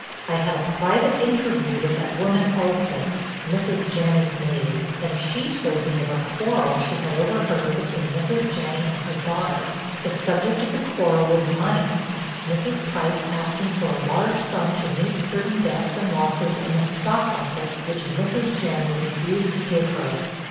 I had a private interview with that woman Elspeth, Mrs. Janney's maid, and she told me of a quarrel she had overheard between Mrs. Janney and her daughter. The subject of the quarrel was money, Mrs. Price asking for a large sum to meet certain debts and losses in the stock market which Mrs. Janney refused to give her.